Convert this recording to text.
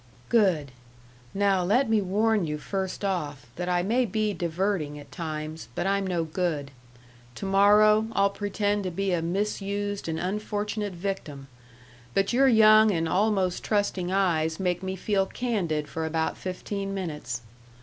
"Good! Now let me warn you first off, that I may be diverting at times, but I'm no good. To morrow I'll pretend to be a misused and unfortunate victim, but your young and almost trusting eyes make me feel candid for about fifteen minutes.